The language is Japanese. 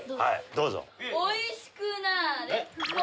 どうぞ。